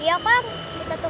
ya udah duluan dah